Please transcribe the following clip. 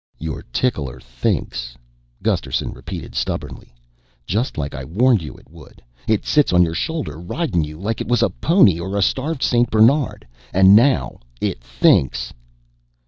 "Your tickler thinks," Gusterson repeated stubbornly, "just like I warned you it would. It sits on your shoulder, ridin' you like you was a pony or a starved St. Bernard, and now it thinks."